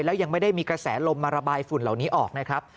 แล้วยังไม่ได้มีกระแสลมมาระบายฝุ่นเหล่านี้ออกนะครับ